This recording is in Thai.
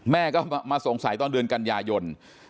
แม่ก็มาสงสัยตอนเดือนกันยายน